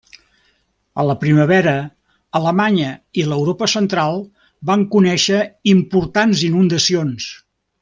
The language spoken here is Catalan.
A la primavera, Alemanya i l'Europa central van conèixer importants inundacions.